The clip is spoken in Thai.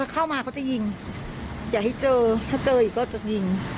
เข้ามาเขาจะยิงอย่าให้เจอถ้าเจออีกก็จะยิง